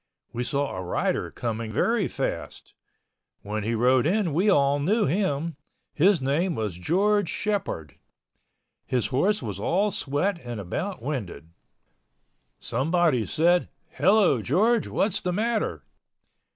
We saw a rider coming very fast. When he rode in we all knew him. His name was George Shepord. His horse was all sweat and about winded. Someone said, "Hello, George. What is the matter?"